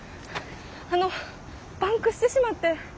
あのパンクしてしまって。